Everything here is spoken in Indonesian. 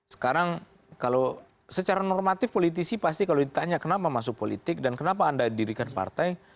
sekarang kalau secara normatif politisi pasti kalau ditanya kenapa masuk politik dan kenapa anda dirikan partai